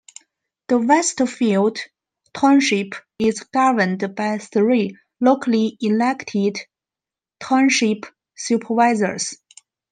The Westfield Township is governed by three, locally elected Township Supervisors.